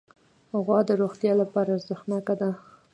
غوا د روغتیا لپاره ارزښتناکه ده.